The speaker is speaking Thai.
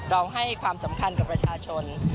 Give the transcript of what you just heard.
เราให้ความสำคัญกับประชาชน